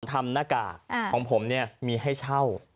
หน้ากากของผมเนี่ยมีให้เช่า